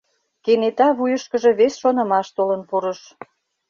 Кенета вуйышкыжо вес шонымаш толын пурыш.